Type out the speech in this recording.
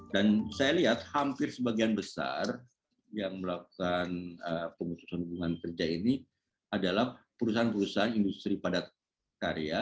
dan saya lihat hampir sebagian besar yang melakukan pemutusan hubungan kerja ini adalah perusahaan perusahaan industri padat karya